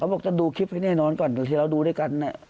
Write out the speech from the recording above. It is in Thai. บอกจะดูคลิปให้แน่นอนก่อนโดยที่เราดูด้วยกัน